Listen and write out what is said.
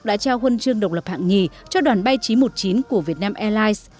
đã trao huân chương độc lập hạng nhì cho đoàn bay chín trăm một mươi chín của việt nam airlines